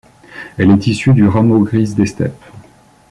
Elle est issue du rameau grise des steppes.